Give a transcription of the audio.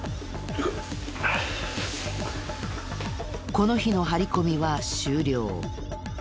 この日の張り込みは終了。